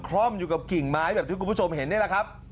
คล่อมอยู่กับกิ่งไม้แบบที่คุณผู้ชมเห็นนี่แหละครับ